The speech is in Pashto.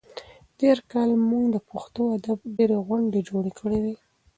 تېر کال موږ د پښتو ادب ډېرې غونډې جوړې کړې وې.